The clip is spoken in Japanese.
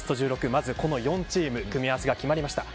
まずこの４チーム組み合わせが決まりました。